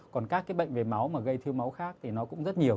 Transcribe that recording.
còn các cái bệnh về máu mà gây thiêu máu khác thì nó cũng rất nhiều